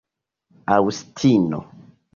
aŭstino